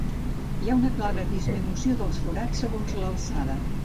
Hi ha una clara disminució dels forats segons l'alçada.